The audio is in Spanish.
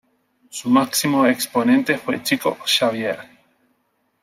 Su máximo exponente fue Chico Xavier.